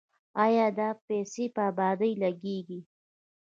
آیا دا پیسې په ابادۍ لګیږي؟